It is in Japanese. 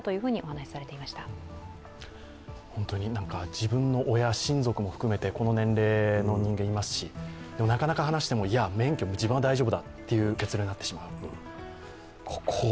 自分の親、親族も含めてこの年齢の人間がいますしでも、なかなか話していも免許は自分は大丈夫だという話になってしまう。